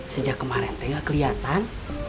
sejak kemarin teh gak keliatan